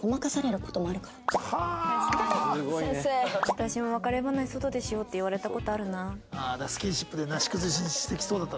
私も別れ話外でしようって言われた事あるな。